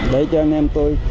để cho anh em tôi